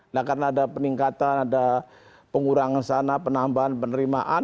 nah karena ada peningkatan ada pengurangan sana penambahan penerimaan